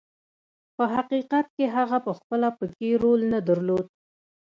په حقیقت کې هغه پخپله پکې رول نه درلود.